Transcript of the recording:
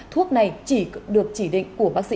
thuốc này chỉ được chỉ định của bác sĩ